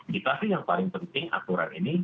kita sih yang paling penting aturan ini